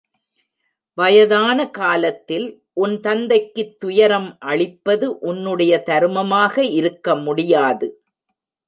வயதானகாலத்தில் உன்தந்தைக்குத் துயரம் அளிப்பது உன்னுடைய தருமமாக இருக்கமுடியாது.